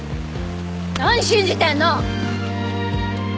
何信じてんの！